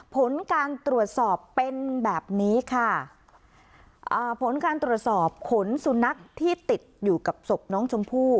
ผลการตรวจสอบเป็นแบบนี้ค่ะอ่าผลการตรวจสอบขนสุนัขที่ติดอยู่กับศพน้องชมพู่